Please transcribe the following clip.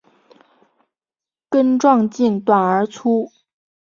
根状茎短而粗。